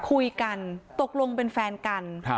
ก็คือเป็นรูปโพลไฟล์ผู้หญิงสวยคุยกันตกลงเป็นแฟนกัน